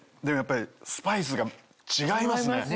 でもやっぱりスパイスが違いますね。